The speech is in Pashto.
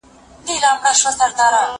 زه پرون ليکلي پاڼي ترتيب کړل!